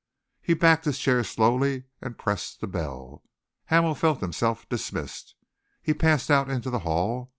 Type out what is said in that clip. He backed his chair slowly and pressed the bell. Hamel felt himself dismissed. He passed out into the hall.